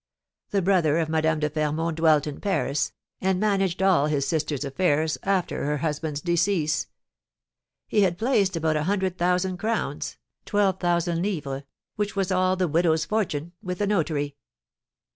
The brother of Madame de Fermont dwelt in Paris, and managed all his sister's affairs after her husband's decease. He had placed about a hundred thousand crowns (12,000_l._), which was all the widow's fortune, with a notary.